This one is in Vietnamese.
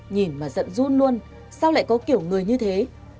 nhìn mà giận run luôn sao lại có kiểu người như thế